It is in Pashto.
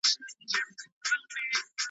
چي څه تیار وي هغه د یار وي .